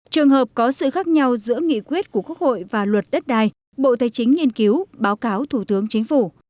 trường hợp có sự khác nhau giữa nghị quyết của quốc hội và luật đất đai bộ tây chính nghiên cứu báo cáo thủ tướng chính phủ